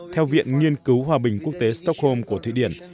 theo viện nghiên cứu hòa bình quốc tế stockholm của thụy điển